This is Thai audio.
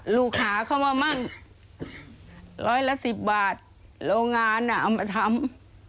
ลูกค้าเข้ามามั่งร้อยละ๑๐บาทโรงงานเอามาทำ